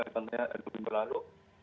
contohnya dua minggu lalu